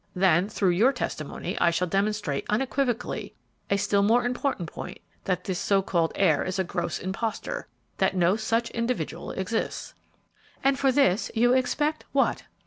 Then, through your testimony, I shall demonstrate unequivocally a still more important point, that this so called heir is a gross impostor, that no such individual exists." "And for this, you expect what?"